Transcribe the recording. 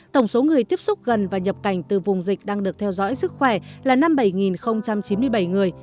tổng số người tiếp xúc gần và nhập cảnh từ vùng dịch đang được theo dõi sức khỏe là năm mươi bảy chín mươi bảy người